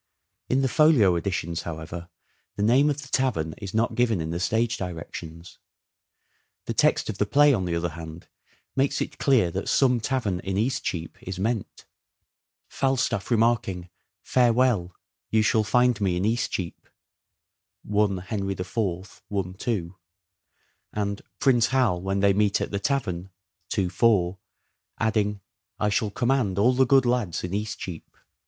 In the Folio Editions, however, the name of the tavern is not given in the stage directions. The text of the play, on the other hand, makes it clear that some tavern in Eastcheap is meant : Falstaff remarking " Farewell : you shall find me in Eastcheap " (I Henry IV. I. 2) and Prince Hal when they meet at the tavern (II. 4) adding, " I shall command all the good lads in Eastcheap."